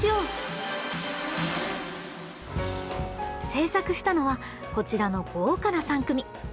制作したのはこちらの豪華な３組！